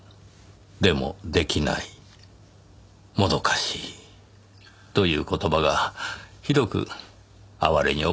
「でもできないもどかしい」という言葉がひどく哀れに思えてなりません。